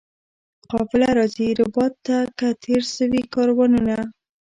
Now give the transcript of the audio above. قافله راځي ربات ته که تېر سوي کاروانونه؟